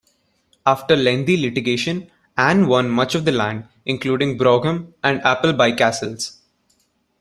After lengthy litigation Anne won much of the land, including Brougham and Appleby castles.